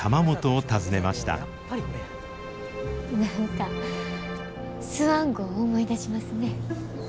何かスワン号思い出しますね。